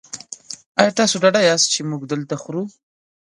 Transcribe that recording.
ایا تاسو ډاډه یاست چې موږ دلته خورو؟